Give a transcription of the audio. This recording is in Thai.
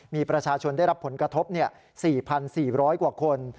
มีประชาชนได้รับผลกระทบ๔๔๐๐กว่าคน